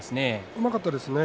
うまかったですね。